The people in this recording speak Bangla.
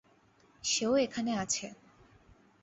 সেও এখানে আছে।